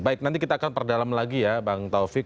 baik nanti kita akan perdalam lagi ya bang taufik